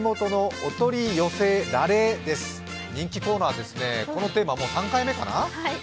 人気コーナーですね、このテーマはもう３回目かな。